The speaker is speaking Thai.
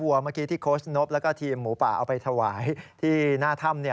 เมื่อกี้ที่โค้ชนบแล้วก็ทีมหมูป่าเอาไปถวายที่หน้าถ้ำ